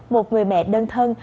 một người mẹ đơn thân